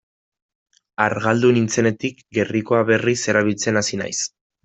Argaldu nintzenetik gerrikoa berriz erabiltzen hasi naiz.